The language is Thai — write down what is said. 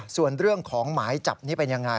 ส่วนเรื่องของหมายจับนี้เป็นยังไง